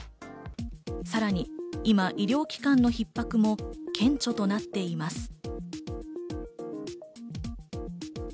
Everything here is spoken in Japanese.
さらに今、医療機関の逼迫も顕著となっています。